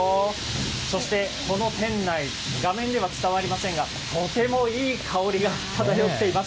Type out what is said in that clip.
そして、この店内、画面では伝わりませんが、とてもいい香りが漂っています。